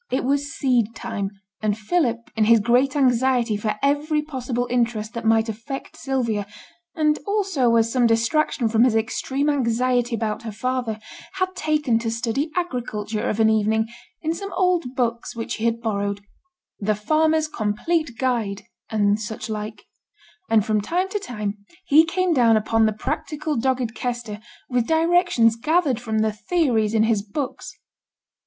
It was seed time, and Philip, in his great anxiety for every possible interest that might affect Sylvia, and also as some distraction from his extreme anxiety about her father, had taken to study agriculture of an evening in some old books which he had borrowed The Farmer's Complete Guide, and such like; and from time to time he came down upon the practical dogged Kester with directions gathered from the theories in his books.